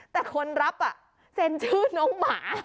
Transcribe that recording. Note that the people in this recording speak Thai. แต่คนรับเซ็นชื่อน้องหมา